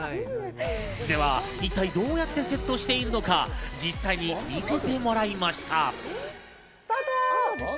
では一体、どうやってセットしているのか、実際に見せてもらいました。